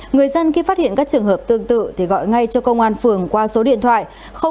người dân khi phát hiện các trường hợp tương tự thì gọi ngay cho công an phường qua số điện thoại